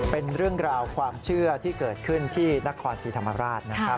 เป็นเรื่องราวความเชื่อที่เกิดขึ้นที่นครศรีธรรมราชนะครับ